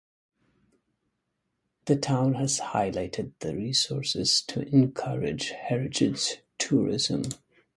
The town has highlighted these resources to encourage heritage tourism.